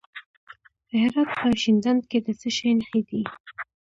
د هرات په شینډنډ کې د څه شي نښې دي؟